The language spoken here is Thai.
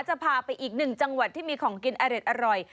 จะพาไปอีกหนึ่งจังหวัดที่มีของกินอร่อย